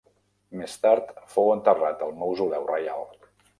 Més tard, fou enterrat al mausoleu reial.